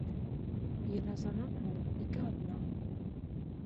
Йыназанан һуң ике аҙна